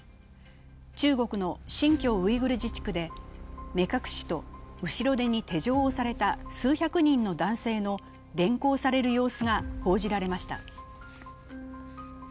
中国の新疆ウイグル自治区で目隠しと後ろ手に手錠をされた数百人の男性の連行される様子が報じられました。